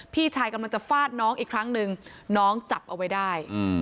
พี่ชายกำลังจะฟาดน้องอีกครั้งหนึ่งน้องจับเอาไว้ได้